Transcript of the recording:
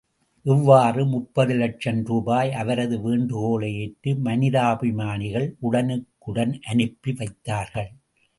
இவ்வாறு, முப்பது லட்சம் ரூபாய், அவரது வேண்டுகோளை ஏற்று மனிதாபிமானிகள் உடனுக்குடன் அனுப்பி வைத்தார்கள்.